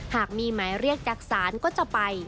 หากมีหมายเรียกจากศาลก็จะไป